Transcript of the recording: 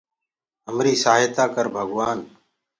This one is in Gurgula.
همريٚ سآهتآ ڪر ڀگوآن